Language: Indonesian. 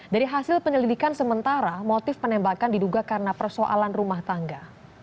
dari hasil penyelidikan sementara motif penembakan diduga karena persoalan rumah tangga